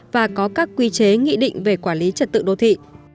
và có các quy chế nghị định về quản lý trật tự đô thị